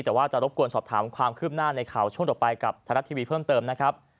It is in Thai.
แต่ว่าจะรบกวนสอบถามความคืบหน้าในข่าวช่วงต่อไปกับไทยรัฐทีวีเพิ่มเติมนะครับ